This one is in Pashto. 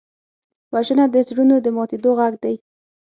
وژنه د زړونو د ماتېدو غږ دی